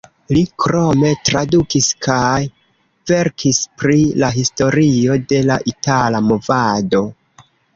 Li krome tradukis kaj verkis pri la historio de la itala movado.